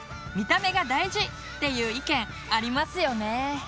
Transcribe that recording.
見た目が大事！っていう意見ありますよね。